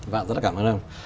vâng rất là cảm ơn